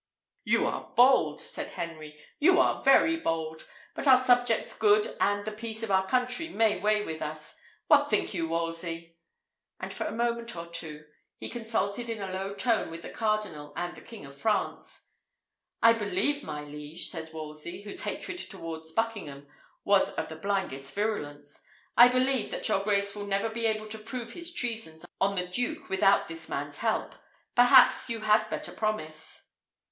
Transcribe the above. "You are bold!" said Henry; "you are very bold! but our subjects' good and the peace of our country may weigh with us. What think you, Wolsey?" And for a moment or two he consulted in a low tone with the cardinal and the King of France. "I believe, my liege," said Wolsey, whose hatred towards Buckingham was of the blindest virulence; "I believe that your grace will never be able to prove his treasons on the duke without this man's help. Perhaps you had better promise."